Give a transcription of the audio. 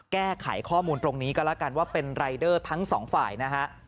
แก้ไขข้อมูลตรงนี้ก็แล้วกันว่าเป็นรายเดอร์ทั้งสองฝ่ายนะฮะ